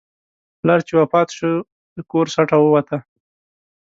پلار چې وفات شو، د کور سټه ووته.